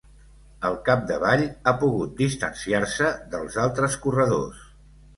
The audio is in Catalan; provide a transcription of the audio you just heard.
Al capdavall ha pogut distanciar-se dels altres corredors.